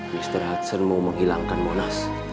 mr hudson mau menghilangkan monas